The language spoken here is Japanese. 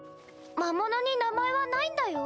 魔物に名前はないんだよ？